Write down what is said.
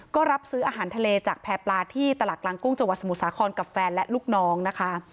ก็รับซื้ออาหารทะเลจากแพร่ปลาที่ตลาดกลางกุ้งจังหวัดสมุทรสาครกับแฟนและลูกน้องนะคะ